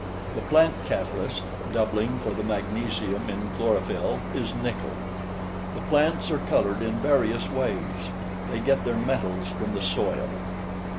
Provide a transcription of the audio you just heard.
The plant catalyst (doubling for the magnesium in chlorophyll) is nickel. The plants are colored in various ways. They get their metals from the soil.